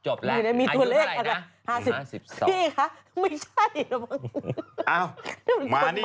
จบแหละอายุอะไรนะ